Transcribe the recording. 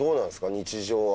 日常は。